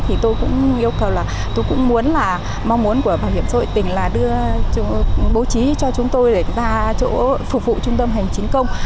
thì tôi cũng yêu cầu là tôi cũng muốn là mong muốn của bảo hiểm xã hội tỉnh là đưa bố trí cho chúng tôi để ra chỗ phục vụ trung tâm hành chính công